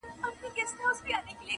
رنګ په وینو سره چاړه یې هم تر ملا وه!